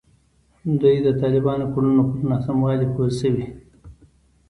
دوی د طالبانو کړنو پر ناسموالي پوه شوي.